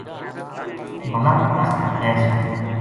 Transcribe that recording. ملنگ تخت پو بیس گیو